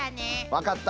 分かった。